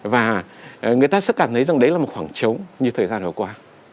và người ta sẽ cảm thấy rằng đấy là một khoảng trống như thời gian vừa qua